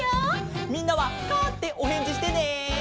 みんなは「カァ」っておへんじしてね！